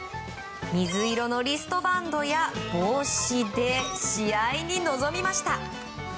水色のリストバンドや帽子で試合に臨みました。